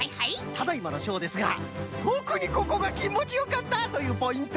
ただいまのしょうですが「とくにここがきもちよかった」というポイントは？